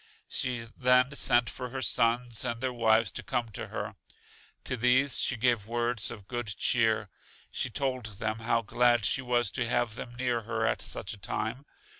She then sent for her sons and their wives to come to her. To these she gave words of good cheer. She told them how glad she was to have them near her at such a time.